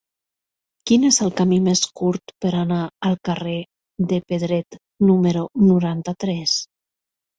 Quin és el camí més curt per anar al carrer de Pedret número noranta-tres?